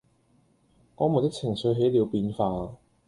我們的情緒起了變化